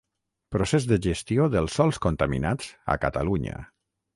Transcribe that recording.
Procés de gestió dels sòls contaminats a Catalunya.